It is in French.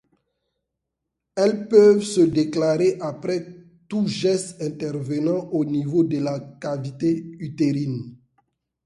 Elles peuvent se déclarer après tout geste intervenant au niveau de la cavité utérine.